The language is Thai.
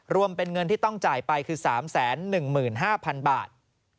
รวมเป็นเงินที่ต้องจ่ายไปคือ๓๑๕๐๐๐บาท